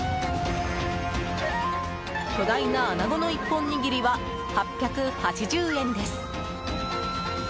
巨大なアナゴの一本握りは８８０円です。